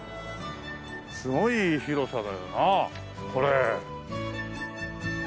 すごい広さだよなこれ。